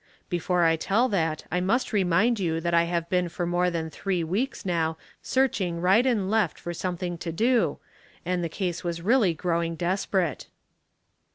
" "Before I tell that, I must remind you that I have been for more than three weeks, now, searching right and left for something to do, and the case was really growing desperate."